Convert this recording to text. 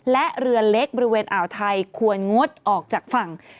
และเรือเล็กบริเวณอ่าวไทยควรงดออกจากฝั่ง